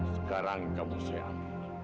sekarang kamu sehat